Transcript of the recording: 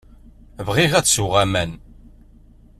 Bɣiɣ ad sweɣ aman.